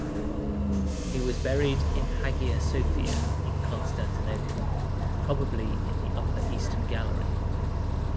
He was buried in Hagia Sophia in Constantinople, probably in the upper Eastern gallery.